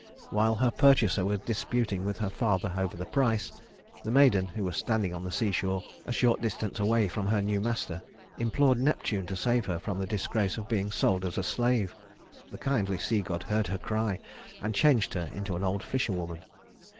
While her purchaser was disputing with her father over the price, the maiden, who was standing on the seashore, a short distance away from her new master, implored Neptune to save her from the disgrace of being sold as a slave. The kindly sea god heard her cry, and changed her into an old fisherwoman.